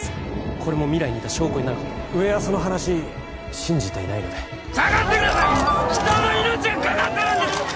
これも未来にいた証拠になるかと上はその話信じていないので下がってください人の命がかかってるんです！